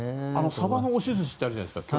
サバの押し寿司ってあるじゃない。